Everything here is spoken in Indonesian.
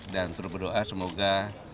dan terus berdoa semoga